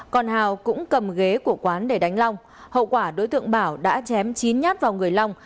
còn hào cũng cầm ghế của quán để đánh long hậu quả đối tượng bảo đã chém chín nhát vào người long